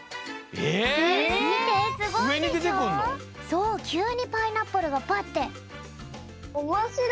そうきゅうにパイナップルがバッて。